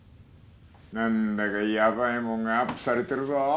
なんだかやばいもんがアップされてるぞ。